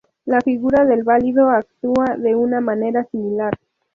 La figura del valido actúa de una manera similar.